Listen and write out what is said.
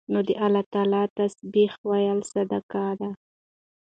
نو د الله تعالی تسبيح ويل صدقه ده